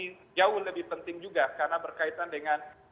ini jauh lebih penting juga karena berkaitan dengan